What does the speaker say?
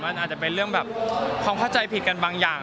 มันอาจจะเป็นเรื่องแบบความเข้าใจผิดกันบางอย่าง